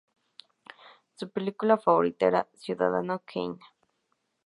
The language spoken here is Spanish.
Su película favorita era "Ciudadano Kane".